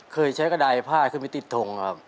เคยใช้กระดายผ้าขึ้นไปติดทงครับ